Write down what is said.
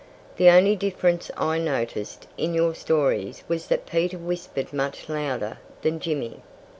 The only difference I noticed in your stories was that Peter whispered much louder than Jimmy."